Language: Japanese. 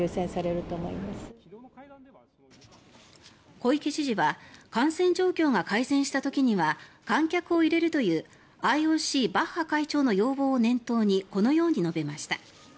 小池知事は感染状況が改善した時には観客を入れるというＩＯＣ、バッハ会長の要望を念頭にこのように述べました。